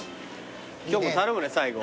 今日も頼むね最後。